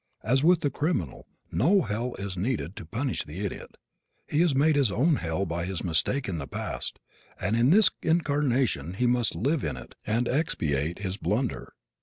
As with the criminal no hell is needed to punish the idiot. He has made his own hell by his mistake in the past and in this incarnation he must live in it and expiate his blunder.